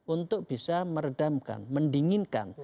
untuk bisa meredamkan mendinginkan